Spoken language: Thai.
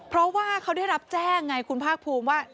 เพราะว่าเขาได้รับแจ้งไงคุณภาคภูมิว่า